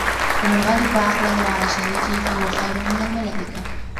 فَمَنْ غَلَّبَ عَقْلَهُ عَلَى شَهْوَتِهِ فَهُوَ خَيْرٌ مِنْ الْمَلَائِكَةِ